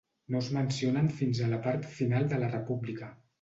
No es mencionen fins a la part final de la República.